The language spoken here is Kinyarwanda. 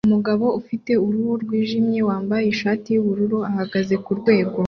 Umugabo ufite uruhu rwijimye wambaye ishati yubururu ahagaze kurwego